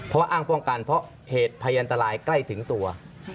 เพราะอ้างป้องกันเพราะเหตุพยันตรายใกล้ถึงตัว